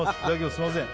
すいません